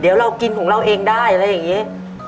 เดี๋ยวเรากินของเราเองได้อะไรอย่างนี้